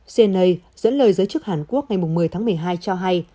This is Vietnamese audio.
cnni dẫn lời giới chức hàn quốc ngày một mươi tháng một mươi hai cho hay